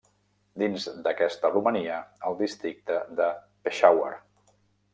Dins d'aquesta romania el districte de Peshawar.